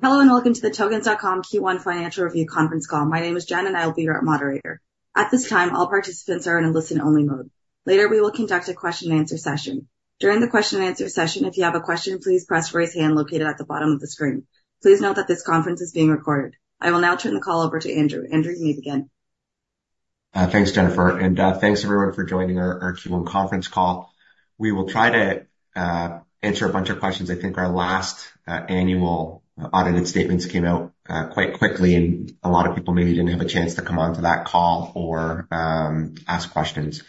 Hello and welcome to the Tokens.com Q1 Financial Review Conference Call. My name is Jen, and I'll be your moderator. At this time, all participants are in a listen-only mode. Later, we will conduct a question-and-answer session. During the question and answer session, if you have a question, please press raise hand located at the bottom of the screen. Please note that this conference is being recorded. I will now turn the call over to Andrew. Andrew, you may begin. Thanks, Jennifer. Thanks, everyone, for joining our Q1 Conference Call. We will try to answer a bunch of questions. I think our last annual audited statements came out quite quickly, and a lot of people maybe didn't have a chance to come onto that call or ask questions.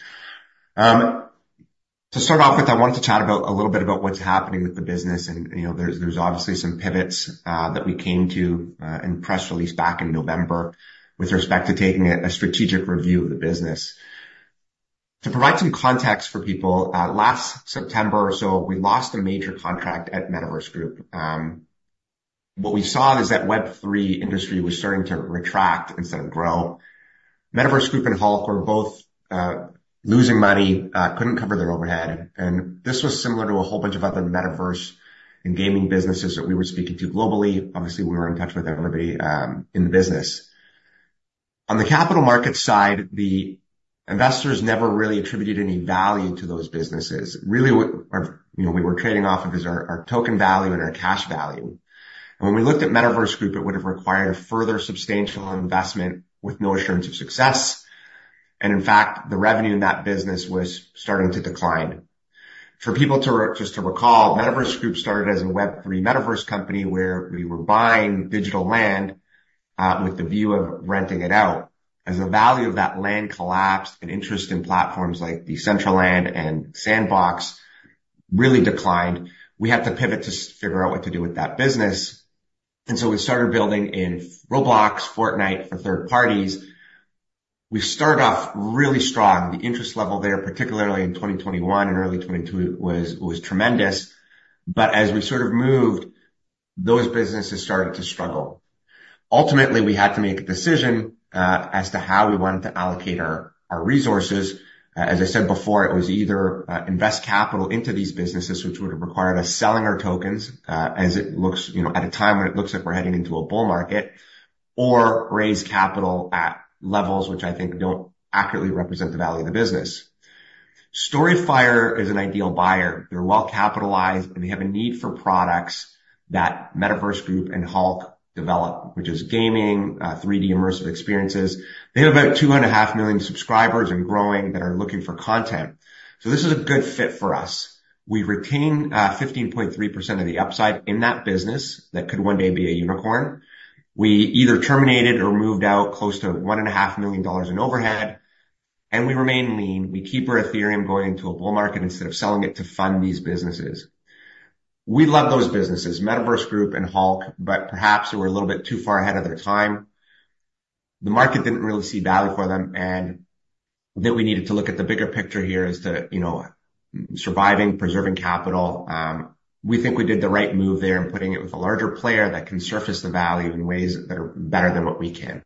To start off with, I wanted to chat a little bit about what's happening with the business. There's obviously some pivots that we came to in press release back in November with respect to taking a strategic review of the business. To provide some context for people, last September or so, we lost a major contract at Metaverse Group. What we saw is that Web3 industry was starting to retract instead of grow. Metaverse Group and Hulk were both losing money, couldn't cover their overhead. This was similar to a whole bunch of other Metaverse and gaming businesses that we were speaking to globally. Obviously, we were in touch with everybody in the business. On the capital markets side, the investors never really attributed any value to those businesses. Really, what we were trading off of is our token value and our cash value. When we looked at Metaverse Group, it would have required a further substantial investment with no assurance of success. In fact, the revenue in that business was starting to decline. For people just to recall, Metaverse Group started as a Web3 Metaverse company where we were buying digital land with the view of renting it out. As the value of that land collapsed and interest in platforms like Decentraland and Sandbox really declined, we had to pivot to figure out what to do with that business. We started building in Roblox, Fortnite for third parties. We started off really strong. The interest level there, particularly in 2021 and early 2022, was tremendous. As we sort of moved, those businesses started to struggle. Ultimately, we had to make a decision as to how we wanted to allocate our resources. As I said before, it was either invest capital into these businesses, which would have required us selling our tokens as it looks at a time when it looks like we're heading into a bull market, or raise capital at levels which I think don't accurately represent the value of the business. StoryFire is an ideal buyer. They're well-capitalized, and they have a need for products that Metaverse Group and Hulk develop, which is gaming, 3D immersive experiences. They have about 2.5 million subscribers and growing that are looking for content. This is a good fit for us. We retain 15.3% of the upside in that business that could one day be a unicorn. We either terminated or moved out close to $1.5 million in overhead, and we remain lean. We keep our Ethereum going into a bull market instead of selling it to fund these businesses. We love those businesses, Metaverse Group and Hulk, but perhaps they were a little bit too far ahead of their time. The market didn't really see value for them. And that we needed to look at the bigger picture here as to surviving, preserving capital. We think we did the right move there in putting it with a larger player that can surface the value in ways that are better than what we can.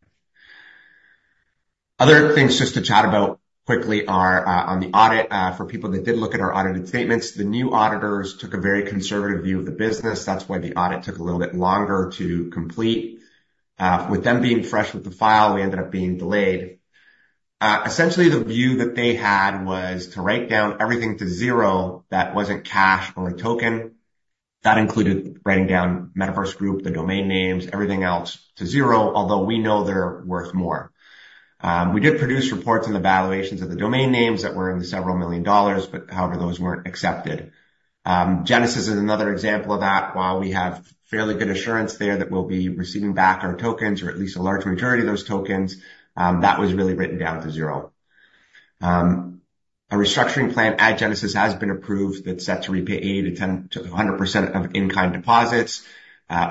Other things just to chat about quickly are on the audit. For people that did look at our audited statements, the new auditors took a very conservative view of the business. That's why the audit took a little bit longer to complete. With them being fresh with the file, we ended up being delayed. Essentially, the view that they had was to write down everything to zero that wasn't cash or a token. That included writing down Metaverse Group, the domain names, everything else to zero, although we know they're worth more. We did produce reports on the valuations of the domain names that were in the several million dollars, but however, those weren't accepted. Genesis is another example of that. While we have fairly good assurance there that we'll be receiving back our tokens or at least a large majority of those tokens, that was really written down to zero. A restructuring plan at Genesis has been approved that's set to repay 80%-100% of in-kind deposits.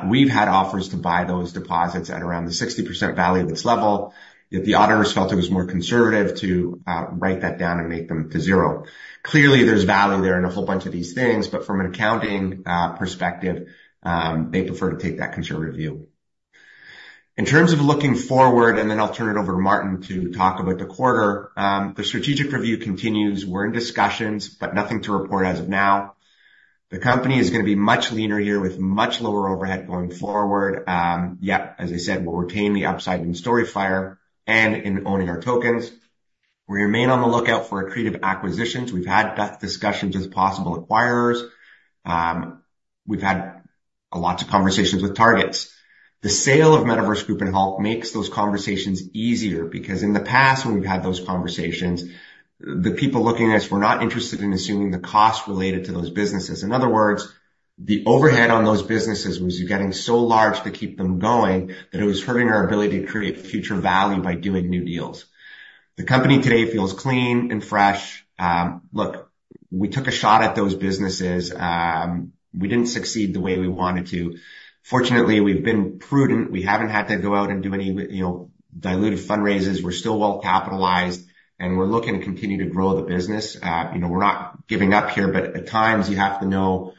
We've had offers to buy those deposits at around the 60% value of its level. Yet the auditors felt it was more conservative to write that down and mark them to zero. Clearly, there's value there in a whole bunch of these things, but from an accounting perspective, they prefer to take that conservative view. In terms of looking forward, and then I'll turn it over to Martin to talk about the quarter, the strategic review continues. We're in discussions, but nothing to report as of now. The company is going to be much leaner here with much lower overhead going forward. Yet, as I said, we'll retain the upside in StoryFire and in owning our tokens. We remain on the lookout for accretive acquisitions. We've had discussions with possible acquirers. We've had lots of conversations with targets. The sale of Metaverse Group and Hulk makes those conversations easier because in the past, when we've had those conversations, the people looking at us were not interested in assuming the costs related to those businesses. In other words, the overhead on those businesses was getting so large to keep them going that it was hurting our ability to create future value by doing new deals. The company today feels clean and fresh. Look, we took a shot at those businesses. We didn't succeed the way we wanted to. Fortunately, we've been prudent. We haven't had to go out and do any dilutive fundraisers. We're still well-capitalized, and we're looking to continue to grow the business. We're not giving up here, but at times, you have to know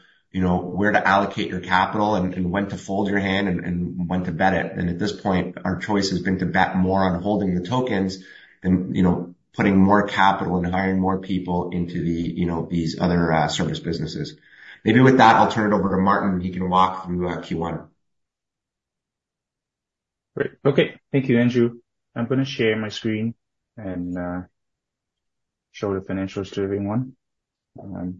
where to allocate your capital and when to fold your hand and when to bet it. And at this point, our choice has been to bet more on holding the tokens than putting more capital and hiring more people into these other service businesses. Maybe with that, I'll turn it over to Martin. He can walk through Q1. Great. Okay. Thank you, Andrew. I'm going to share my screen and show the financials to everyone. Okay.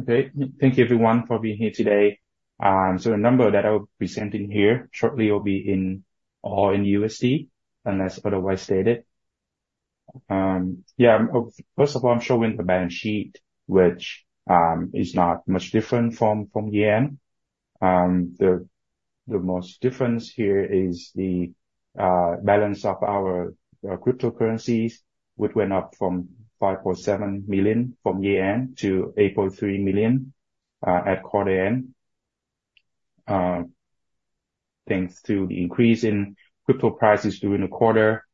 Thank you, everyone, for being here today. The number that I'll be sending here shortly will be all in USD unless otherwise stated. Yeah. First of all, I'm showing the balance sheet, which is not much different from Q1. The most difference here is the balance of our cryptocurrencies, which went up from $5.7 million from Q1 to $8.3 million at quarter end thanks to the increase in crypto prices during the quarter.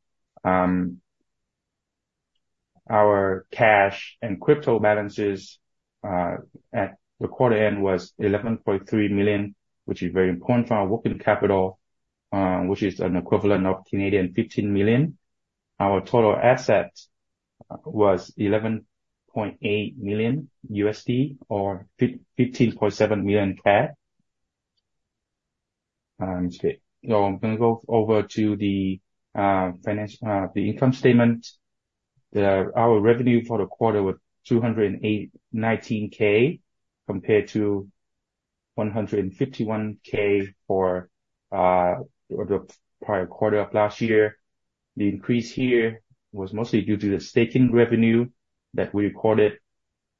Our cash and crypto balances at the quarter end was $11.3 million, which is very important for our working capital, which is an equivalent of 15 million. Our total assets was $11.8 million or 15.7 million CAD. I'm going to go over to the income statement. Our revenue for the quarter was $219,000 compared to $151,000 for the prior quarter of last year. The increase here was mostly due to the staking revenue that we recorded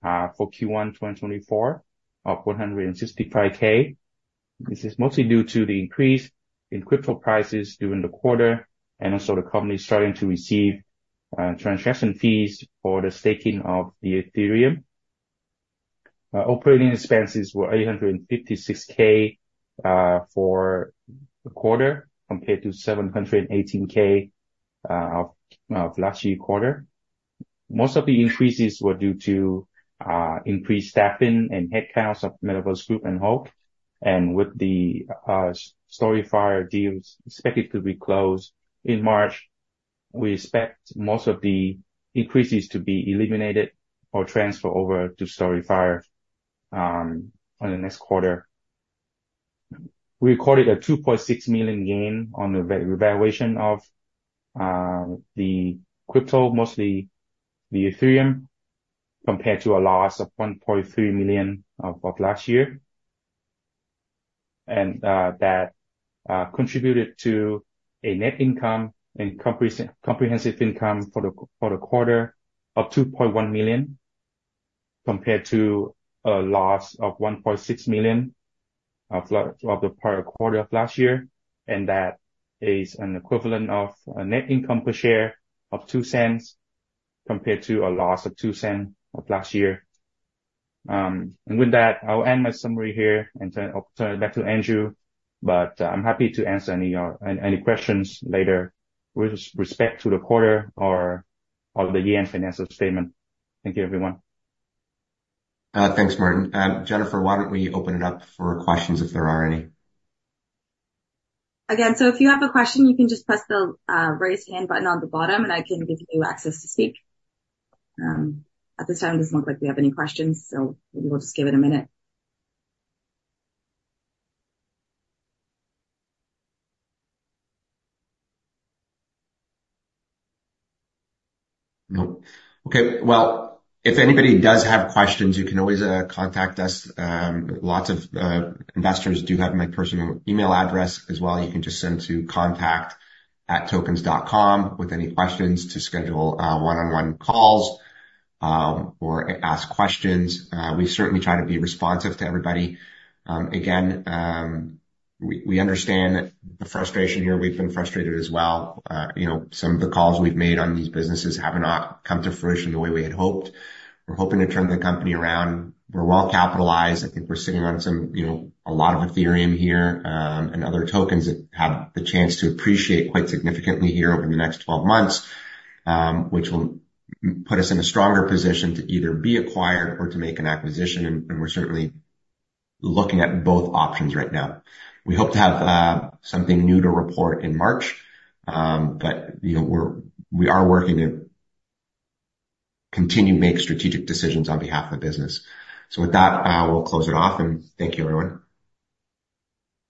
for Q1 2024 of $165,000. This is mostly due to the increase in crypto prices during the quarter and also the company starting to receive transaction fees for the staking of the Ethereum. Operating expenses were $856,000 for the quarter compared to $718,000 of last year's quarter. Most of the increases were due to increased staffing and headcounts of Metaverse Group and Hulk. With the StoryFire deals expected to be closed in March, we expect most of the increases to be eliminated or transferred over to StoryFire on the next quarter. We recorded a $2.6 million gain on the valuation of the crypto, mostly the Ethereum, compared to a loss of $1.3 million of last year. That contributed to a net income and comprehensive income for the quarter of $2.1 million compared to a loss of $1.6 million of the prior quarter of last year. That is an equivalent of a net income per share of $0.02 compared to a loss of $0.02 of last year. With that, I'll end my summary here and turn it back to Andrew. But I'm happy to answer any questions later with respect to the quarter or the annual financial statement. Thank you, everyone. Thanks, Martin. Jennifer, why don't we open it up for questions if there are any? Again, so if you have a question, you can just press the raise hand button on the bottom, and I can give you access to speak. At this time, it doesn't look like we have any questions, so maybe we'll just give it a minute. Nope. Okay. Well, if anybody does have questions, you can always contact us. Lots of investors do have my personal email address as well. You can just send to contact@tokens.com with any questions to schedule one-on-one calls or ask questions. We certainly try to be responsive to everybody. Again, we understand the frustration here. We've been frustrated as well. Some of the calls we've made on these businesses have not come to fruition the way we had hoped. We're hoping to turn the company around. We're well-capitalized. I think we're sitting on a lot of Ethereum here and other tokens that have the chance to appreciate quite significantly here over the next 12 months, which will put us in a stronger position to either be acquired or to make an acquisition. And we're certainly looking at both options right now. We hope to have something new to report in March, but we are working to continue to make strategic decisions on behalf of the business. With that, we'll close it off. Thank you, everyone.